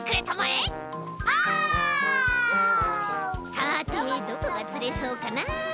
さてどこがつれそうかな？